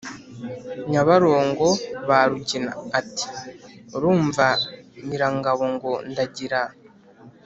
Nyabarongo ba Rugina, ati: Urumva Nyirangabo ngo ndagira?